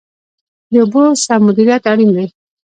د اوبو سم مدیریت اړین دی